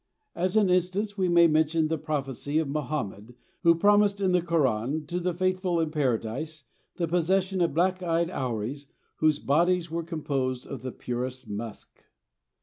As an instance we may mention the prophecy of Mohammed, who promised in the Koran to the faithful in paradise the possession of black eyed houries whose bodies were composed of the purest musk.